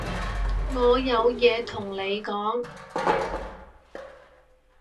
我有嘢同你講